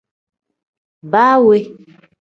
Baa we.